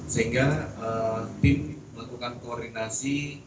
sehingga tim melakukan koordinasi